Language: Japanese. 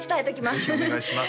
ぜひお願いします